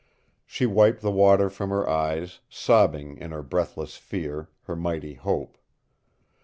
She wiped the water from her eyes, sobbing in her breathless fear her mighty hope.